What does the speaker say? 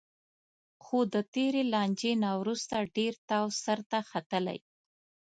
خو د تېرې لانجې نه وروسته ډېر تاو سرته ختلی